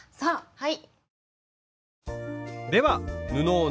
はい。